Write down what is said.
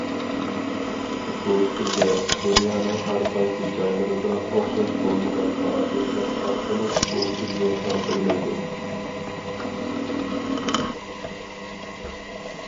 بۇ كۈندە دۇنيانىڭ ھەرقايسى جايلىرىدا ئوخشاش بولمىغان پائالىيەتلەر ئارقىلىق بۇ كۈننى خاتىرىلەيدۇ.